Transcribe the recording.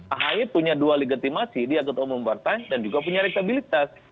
ahy punya dua legitimasi dia ketua umum partai dan juga punya elektabilitas